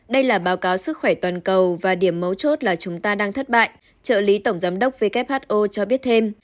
đây là báo cáo sức khỏe toàn cầu và điểm mấu chốt là chúng ta đang thất bại trợ lý tổng giám đốc who cho biết thêm